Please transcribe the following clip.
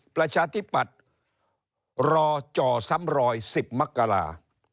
ประชาธิปัตย์รอจ่อซ้ำรอย๑๐มกรา